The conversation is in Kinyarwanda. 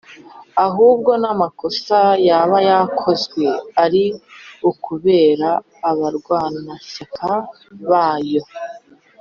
ahubwo n’amakosa yaba yarakozwe ari ukubera abarwanashyaka bayo